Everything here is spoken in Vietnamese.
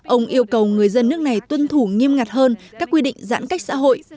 ông yêu cầu người dân nước này tuân thủ nghiêm ngặt hơn các quy định giãn cách xã hội